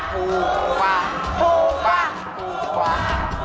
ถูกกว่า